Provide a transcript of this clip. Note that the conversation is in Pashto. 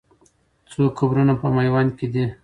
څو قبرونه په میوند کې دي؟